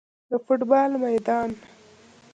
د فوټبال میدان